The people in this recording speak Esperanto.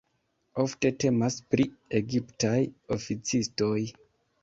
Ofte temas pri egiptaj oficistoj.